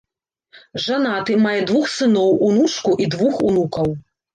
Жанаты, мае двух сыноў, унучку і двух унукаў.